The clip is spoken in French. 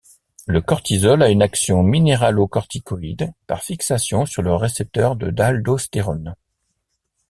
Le cortisol a une action minéralocorticoïde par fixation sur le récepteur de l'aldostérone.